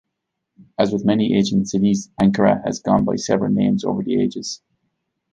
As with many ancient cities, Ankara has gone by several names over the ages.